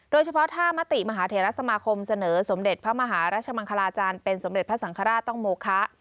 โดยเฉพาะถ้ามติมหาเทรสมาคมเสนอสมเด็จพระมหารัชมังคลาจารย์เป็นสมเด็จพระสังฆราชต้องโมคะ